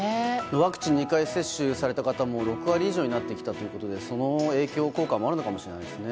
ワクチン２回接種された方も６割以上になってきたということでその影響効果もあるのかもしれないですね。